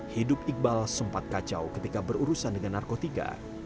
hidup iqbal sempat kacau ketika berurusan dengan narkotika